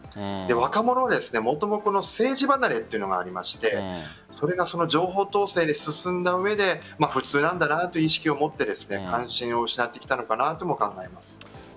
若者はもともと政治離れというのがありましてそれが、情報統制が進んだ上で普通なんだなという意識を持って関心を失ってきたのかなとも考えます。